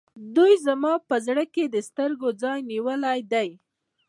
دوی زما په زړه او سترګو کې ځای نیولی دی.